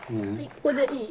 ここでいい？